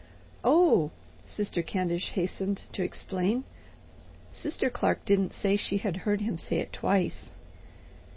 "Oh," Sister Candish hastened to explain, "Sister Clark didn't say she had heard him say it twice.